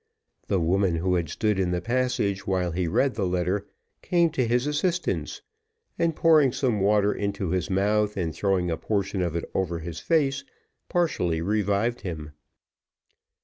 The woman, who had stood in the passage while he read the letter, came to his assistance, and pouring some water into his mouth, and throwing a portion of it over his face, partially revived him.